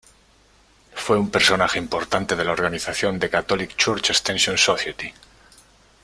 Fue un personaje importante de la organización The Catholic Church Extension Society.